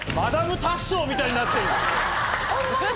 みたいになってるよ。